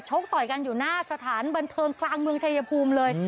กต่อยกันอยู่หน้าสถานบันเทิงกลางเมืองชายภูมิเลย